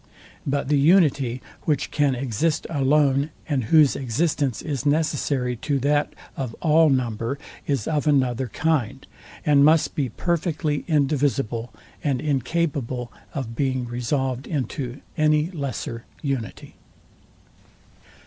But the unity, which can exist alone, and whose existence is necessary to that of all number, is of another kind, and must be perfectly indivisible, and incapable of being resolved into any lesser unity.